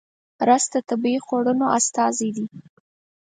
رس د طبیعي خوړنو استازی دی